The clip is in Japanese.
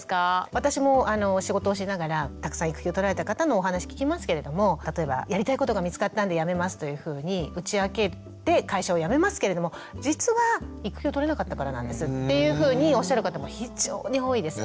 私も仕事をしながらたくさん育休を取られた方のお話聞きますけれども例えばやりたいことが見つかったんで辞めますというふうに打ち明けて会社を辞めますけれども実は育休を取れなかったからなんですっていうふうにおっしゃる方も非常に多いです。